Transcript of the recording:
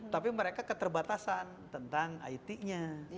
tapi mereka keterbatasan tentang it nya